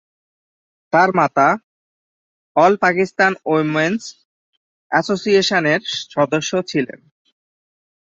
তার মাতা ‘all Pakistan women's অ্যাসোসিয়েশনের’ সদস্য ছিলেন।